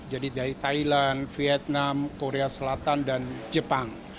jadi dari thailand vietnam korea selatan dan jepang